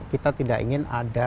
kita tidak ingin ada